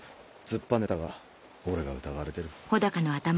突っぱねたが俺が疑われてる。